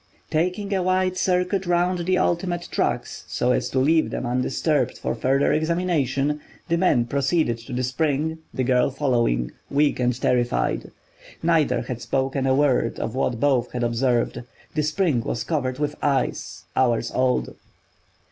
Taking a wide circuit round the ultimate tracks, so as to leave them undisturbed for further examination, the man proceeded to the spring, the girl following, weak and terrified. Neither had spoken a word of what both had observed. The spring was covered with ice, hours old.